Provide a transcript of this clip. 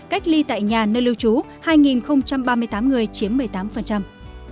cách ly tại nhà nơi lưu trú hai ba mươi tám người chiếm một mươi tám